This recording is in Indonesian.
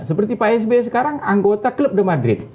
seperti pak s b sekarang anggota club de madrid